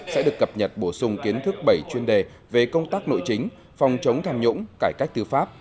sẽ được cập nhật bổ sung kiến thức bảy chuyên đề về công tác nội chính phòng chống tham nhũng cải cách tư pháp